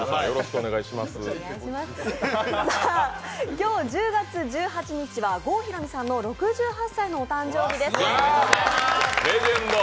今日１０月１８日は郷ひろみさんの６８歳のお誕生日です。